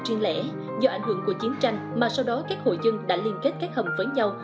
truyền lẽ do ảnh hưởng của chiến tranh mà sau đó các hội dân đã liên kết các hầm với nhau